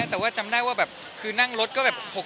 แต่จำได้แบบนั่งรถก็๖๗ชั่วโมง